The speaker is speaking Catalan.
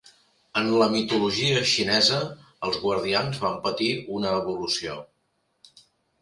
En la mitologia xinesa, els guardians van patir una evolució.